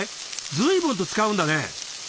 随分と使うんだね？